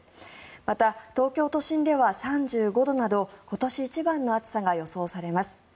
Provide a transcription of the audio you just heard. また、東京都心では３５度など今年一番の暑さが予想されます。